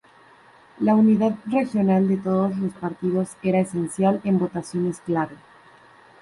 La unidad regional de todos los partidos era esencial en votaciones clave.